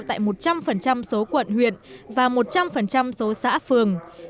tại một trăm linh số quận huyện và một trăm linh số xã phường